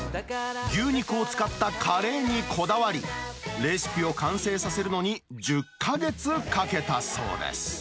牛肉を使ったカレーにこだわり、レシピを完成させるのに１０か月かけたそうです。